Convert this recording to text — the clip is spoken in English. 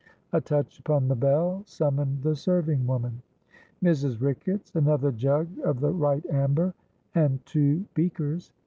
A touch upon the bell summoned the serving woman. "Mrs. Ricketts, another jug of the right amber, and two beakers.